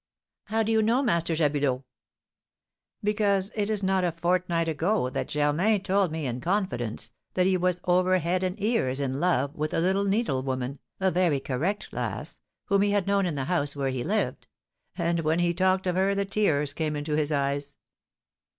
"How do you know, Master Jabulot?" "Because it is not a fortnight ago that Germain told me, in confidence, that he was over head and ears in love with a little needle woman, a very correct lass, whom he had known in the house where he lived; and, when he talked of her, the tears came in his eyes."